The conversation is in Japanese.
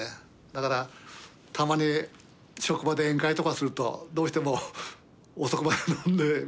だからたまに職場で宴会とかするとどうしても遅くまで飲んでみんな。